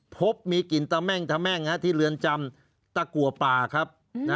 พบมีกลิ่นตะแม่งตะแม่งที่เรือนจำตะกัวป่าครับ